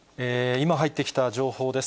今入ってきた情報です。